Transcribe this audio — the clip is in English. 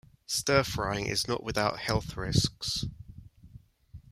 Stir frying is not without health risks.